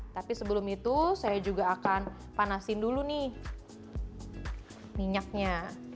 tapi sebelum itu saya juga akan panasin dulu nih minyaknya